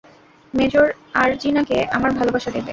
Major আর জিনাকে আমার ভালোবাসা দেবে?